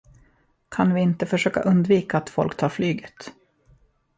Kan vi inte försöka undvika att folk tar flyget?